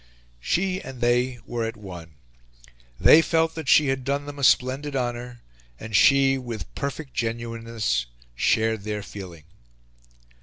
She and they were at one. They felt that she had done them a splendid honour, and she, with perfect genuineness, shared their feeling.